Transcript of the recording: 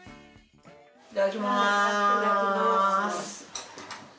いただきます。